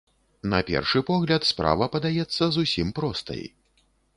На першы погляд, справа падаецца зусім простай.